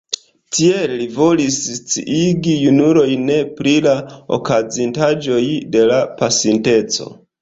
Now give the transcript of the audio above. Tiel li volis sciigi junulojn pri la okazintaĵoj de la pasinteco.